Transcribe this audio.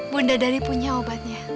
bunda dari punya obatnya